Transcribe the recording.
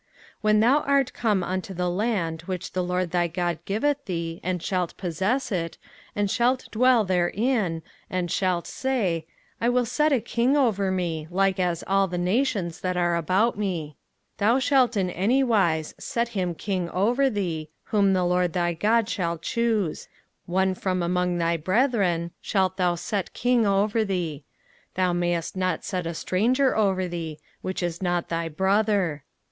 05:017:014 When thou art come unto the land which the LORD thy God giveth thee, and shalt possess it, and shalt dwell therein, and shalt say, I will set a king over me, like as all the nations that are about me; 05:017:015 Thou shalt in any wise set him king over thee, whom the LORD thy God shall choose: one from among thy brethren shalt thou set king over thee: thou mayest not set a stranger over thee, which is not thy brother.